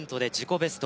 ベスト